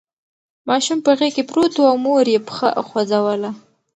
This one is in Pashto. ماشوم په غېږ کې پروت و او مور یې پښه خوځوله.